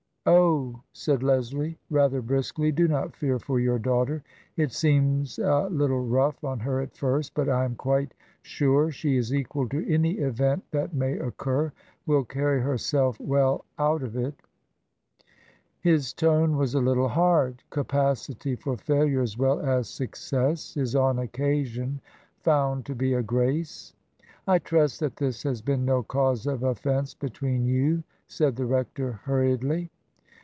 "Oh," said Leslie, rather briskly, "do not fear for your daughter. It seems a little rough on her at first, but I am quite sure she is equal to any event that may occur — will carry herself well out of it." e 6* 66 TRANSITION. His tone was a little hard. Capacity for failure, as well as success, is on occasion found to be a grace. " I trust that this has been no cause of offence between you," said the rector, hurriedly.